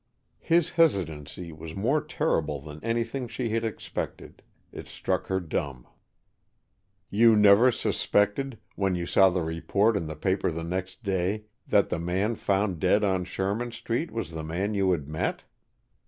His hesitancy was more terrible than anything she had expected. It struck her dumb. "You never suspected, when you saw the report in the paper the next day, that the man found dead on Sherman Street was the man you had met?"